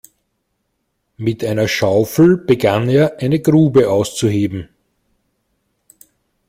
Mit einer Schaufel begann er, eine Grube auszuheben.